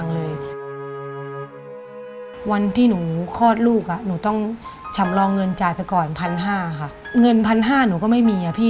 เงิน๑๕๐๐บาทหนูก็ไม่มีอ่ะพี่